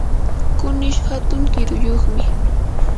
kunish hatun kiruyuqmi.